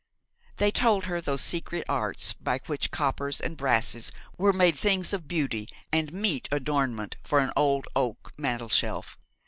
They told her those secret arts by which coppers and brasses are made things of beauty, and meet adornment for an old oak mantelshelf.